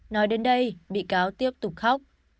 nói đến đây bị cáo tiếp tục khóc